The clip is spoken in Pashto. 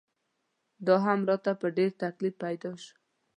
دا هم راته په ډېر تکلیف پیدا شو.